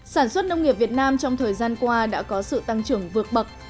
sản xuất nông nghiệp việt nam trong thời gian qua đã có sự tăng trưởng vượt bậc